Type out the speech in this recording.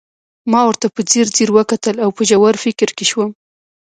ما ورته په ځیر ځير وکتل او په ژور فکر کې شوم